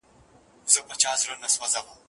تر ننګرهار، تر کندهار ښکلی دی